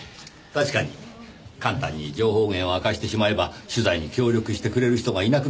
確かに簡単に情報源を明かしてしまえば取材に協力してくれる人がいなくなってしまいますからねぇ。